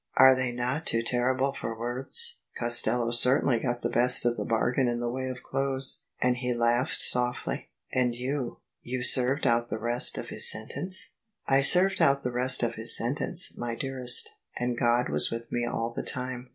Are they not too terrible for words? Costello certainly got the best of the bargain in the way of clothes." And he laughed softly. " And you? — ^you served out the rest of his sentence? "" I served out the rest of his sentence, my dearest: and God was with me all the time."